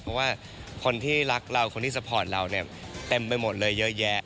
เพราะว่าคนที่รักเราคนที่ซัพพอร์ตเราเนี่ยเต็มไปหมดเลยเยอะแยะ